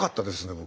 僕。